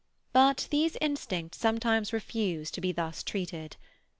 But these instincts sometimes refused to be thus treated.